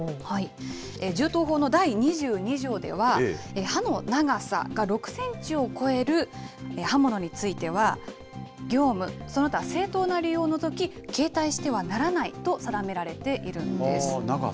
銃刀法の第２２条では、刃の長さが６センチを超える刃物については、業務、その他正当な理由を除き、携帯してはならないと定められているん長さ？